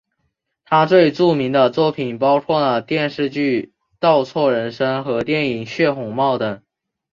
他最著名的作品包括了电视剧倒错人生和电影血红帽等。